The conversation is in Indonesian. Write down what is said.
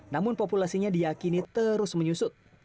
namun populasinya diakini terus menyusut